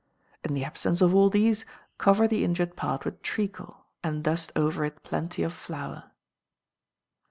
In the absence of all these, cover the injured part with treacle, and dust over it plenty of flour.